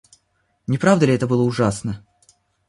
Не правда ли, это было ужасно?